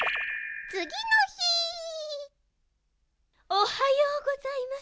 おはようございます。